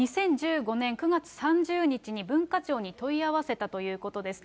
２０１５年９月３０日に文化庁に問い合わせたということです。